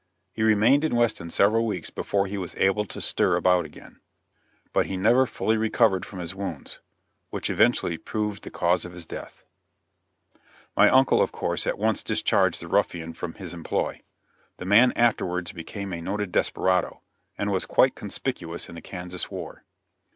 He remained in Weston several weeks before he was able to stir about again, but he never fully recovered from the wounds, which eventually proved the cause of his death. [Illustration: MY FATHER STABBED] My uncle of course at once discharged the ruffian from his employ. The man afterwards became a noted desperado, and was quite conspicuous in the Kansas war.